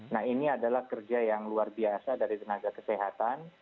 nah ini adalah kerja yang luar biasa dari tenaga kesehatan